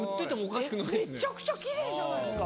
めっちゃくちゃきれいじゃないですか。